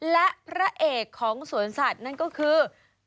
และพระเอกของสวนสัตว์นั่นก็คือ